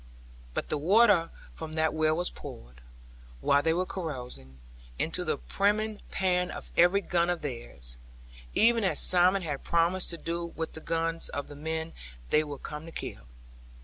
But the water from that well was poured, while they were carousing, into the priming pan of every gun of theirs; even as Simon had promised to do with the guns of the men they were come to kill.